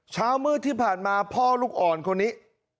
เช้ามืดที่ผ่านมาพ่อลูกอ่อนคนนี้